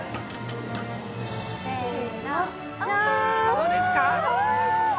どうですか？